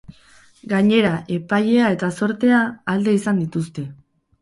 Gainera, epailea eta zortea alde izan dituzte.